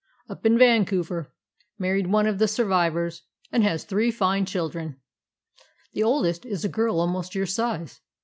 "Up in Vancouver. Married one of the survivors, and has three fine children. The oldest is a girl almost your size.